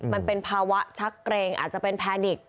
มันเป็นภาวะชักเกรงอาจจะเป็นแพนิก